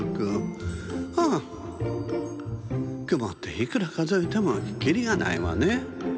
くもっていくらかぞえてもきりがないわね。